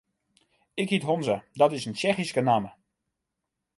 Ik hyt Honza, dat is in Tsjechyske namme.